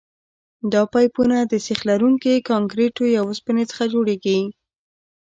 دا پایپونه د سیخ لرونکي کانکریټو یا اوسپنې څخه جوړیږي